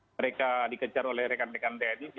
mereka dikejar oleh rekan rekan tni